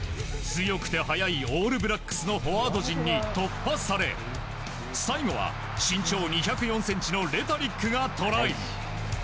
強くて速いオールブラックスのフォワード陣に突破され最後は身長２０４ｃｍのレタリックがトライ。